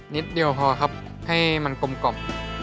นิดเดียวพอครับให้มันกลมกล่อม